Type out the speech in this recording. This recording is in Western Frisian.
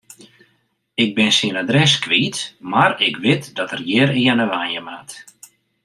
Ik bin syn adres kwyt, mar ik wit dat er hjirearne wenje moat.